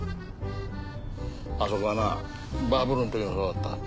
あそこはなバブルのときもそうだった。